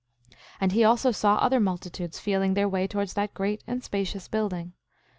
8:31 And he also saw other multitudes feeling their way towards that great and spacious building.